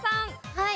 はい。